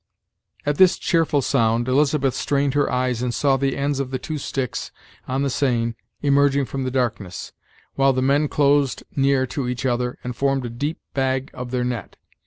At this cheerful sound, Elizabeth strained her eyes and saw the ends of the two sticks on the seine emerging from the darkness, while the men closed near to each other, and formed a deep bag of their net.